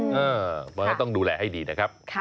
เพราะฉะนั้นต้องดูแลให้ดีนะครับ